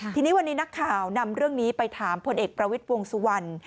ทีนี้วันนี้นักข่าวนำเรื่องนี้ไปถามพลเอกประวิทย์วงสุวรรณ